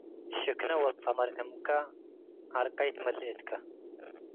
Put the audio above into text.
ሽክነ ወድ ጸመር-እምከ፣ ዐርቀይ ትመልእ እትከ።